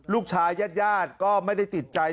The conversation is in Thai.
ลูกชายาดก็ไม่ได้ติดใจ